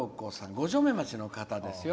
五城目町の方ですよ。